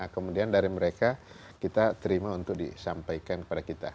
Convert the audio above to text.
kemudian dari mereka kita terima untuk disampaikan kepada kita